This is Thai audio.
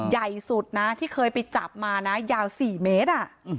ใหญ่สุดนะที่เคยไปจับมานะยาว๔เมตร